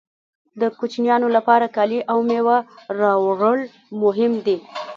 د کوچنیانو لپاره کالي او مېوه راوړل مهم دي